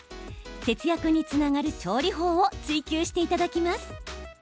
節約につながる調理法をツイＱしていただきます。